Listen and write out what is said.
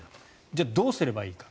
じゃあ、どうすればいいか。